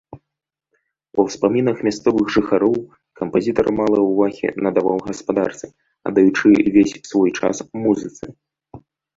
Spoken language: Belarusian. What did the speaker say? Па ўспамінах мясцовых жыхароў кампазітар мала ўвагі надаваў гаспадарцы, аддаючы весь свой час музыцы.